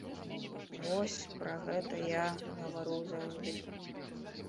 Вось пра гэта я гавару заўжды.